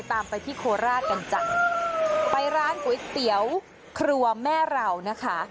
ตามไปที่โคราชกันจ้ะไปร้านก๋วยเตี๋ยวครัวแม่เรานะคะ